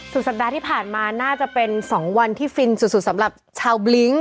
สัปดาห์ที่ผ่านมาน่าจะเป็น๒วันที่ฟินสุดสำหรับชาวบลิ้ง